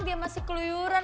dia masih keluyuran